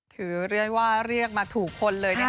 ถือว่าเรียกมาถูกคนเลยนะครับ